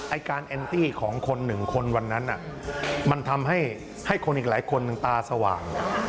ไอ้การแอนตี้ของคนหนึ่งคนวันนั้นมันทำให้คนอีกหลายคนหนึ่งตาสว่าง